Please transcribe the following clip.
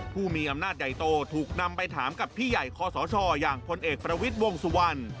ผู้มีอำนาจใหญ่โตถูกนำไปถามกับพี่ใหญ่คอสชอย่างพลเอกประวิทย์วงสุวรรณ